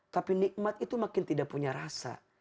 tapi nikmat itu makin tidak punya rasa